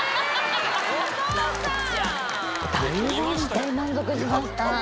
大満足しました。